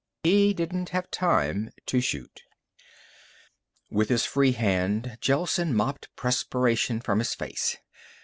He didn't have time to shoot. With his free hand, Gelsen mopped perspiration from his face.